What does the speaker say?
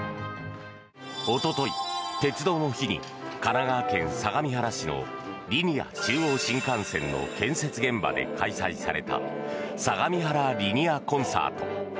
おととい、鉄道の日に神奈川県相模原市のリニア中央新幹線の建設現場で開催されたさがみはらリニアコンサート。